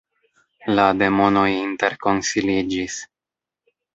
La demonoj interkonsiliĝis.